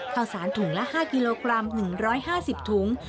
ข้าวสารถุงละ๕กิโลกรัม๑๕๐ถุง